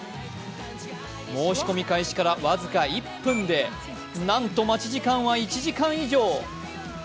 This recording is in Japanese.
申し込み開始から僅か１分でなんと待ち時間は１時間以上。